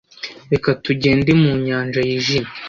reka tugende mu nyanja yijimye